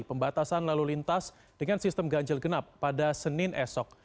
pembatasan lalu lintas dengan sistem ganjil genap pada senin esok